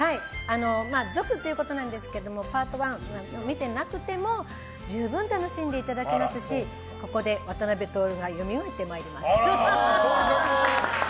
続ということなんですがパート１を見ていなくても十分楽しんでいただけますしここで渡辺徹が徹さんも映像で。